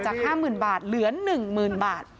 ๕๐๐๐บาทเหลือ๑๐๐๐บาท